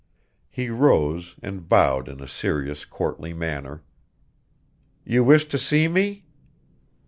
He rose and bowed in a serious, courtly manner. "You wish to see me?"